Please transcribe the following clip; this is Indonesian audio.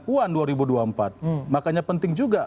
puan dua ribu dua puluh empat makanya penting juga